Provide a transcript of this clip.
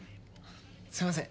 すいません。